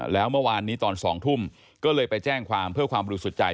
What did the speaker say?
แล้วเมื่อวานนี้ตอน๒ทุ่มก็เลยไปแจ้งความเพื่อความบริสุทธิ์ใจ